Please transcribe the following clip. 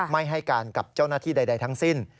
ไม่ให้การกับเจ้าหน้าที่ใดทั้งสิ้น